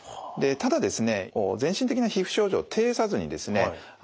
ただですね